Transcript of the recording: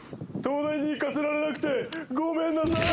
東大に行かせられなくてごめんなさい。